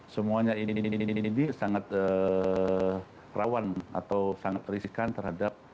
semuanya ini sangat rawan atau sangat risikan terhadap